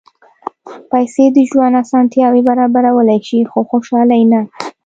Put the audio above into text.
پېسې د ژوند اسانتیاوې برابرولی شي، خو خوشالي نه.